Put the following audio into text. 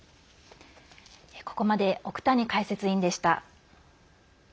ここまで奥谷解説委員でした。